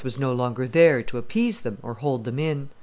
was no longer there to appease them or hold them in.